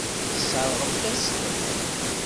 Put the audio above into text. Tesseṛɣemt-as-ten.